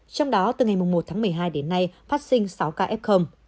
trong đó từ ngày một tháng một mươi hai đến nay phát sinh sáu ca f